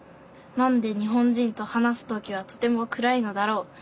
なんで日本人と話す時はとても暗いのだろう？